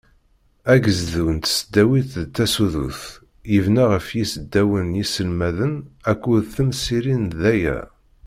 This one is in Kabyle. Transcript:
Agezdu n tesdawit d tasudut, yebna ɣef yisdawen d yiselmaden akked temsirin daya.